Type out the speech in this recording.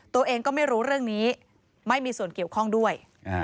ตัวเองก็ไม่รู้เรื่องนี้ไม่มีส่วนเกี่ยวข้องด้วย